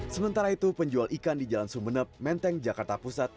sementara itu penjual ikan di jalan sumeneb menteng jakarta pusat